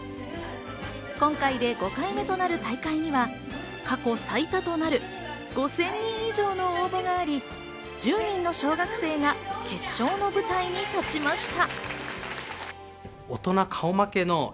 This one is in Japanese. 今回で５回目となる大会には、過去最多となる５０００人以上の応募があり、１０人の小学生が決勝の舞台に立ちました。